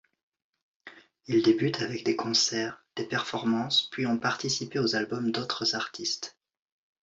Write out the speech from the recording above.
Ils débutent avec des concerts, des performances, puis ont participé aux albums d'autres artistes.